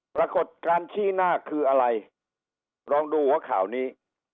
ปรากฏการณ์ชี้หน้าคืออะไรลองดูหัวข่าวนี้